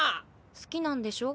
好きなんでしょ？